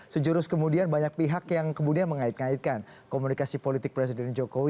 sejurus kemudian banyak pihak yang kemudian mengait ngaitkan komunikasi politik presiden jokowi